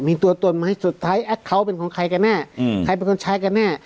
มีตัวตนมาให้สุดท้ายแอคเคาน์เป็นของใครกันแน่ใครเป็นคนใช้กันแน่